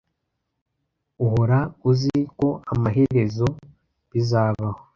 Uhora uzi ko amaherezo bizabaho.